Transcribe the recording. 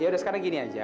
ya udah sekarang gini aja